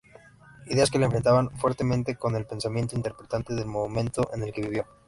Ideas que la enfrentaban fuertemente con el pensamiento imperante del momento en que vivió.